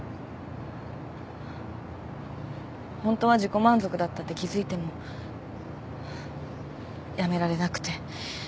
ホントは自己満足だったって気付いてもやめられなくて。